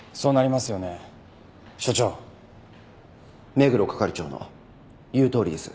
目黒係長の言うとおりです。